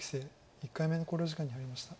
１回目の考慮時間に入りました。